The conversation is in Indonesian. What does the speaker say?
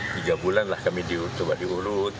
tiga bulan lah kami coba dihulut